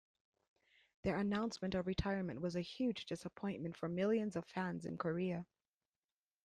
Their announcement of retirement was a huge disappointment for millions of fans in Korea.